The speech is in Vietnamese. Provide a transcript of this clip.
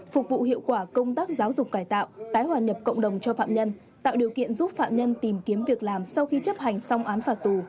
phục vụ hiệu quả công tác giáo dục cải tạo tái hòa nhập cộng đồng cho phạm nhân tạo điều kiện giúp phạm nhân tìm kiếm việc làm sau khi chấp hành xong án phạt tù